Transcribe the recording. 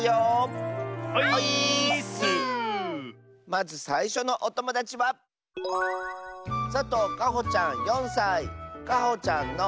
まずさいしょのおともだちはかほちゃんの。